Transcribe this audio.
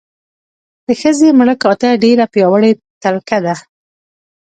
د ښځې مړه کاته ډېره پیاوړې تلکه ده.